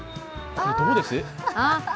どうです？